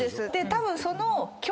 たぶんその。